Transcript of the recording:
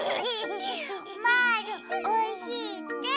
まぁるおいしいって！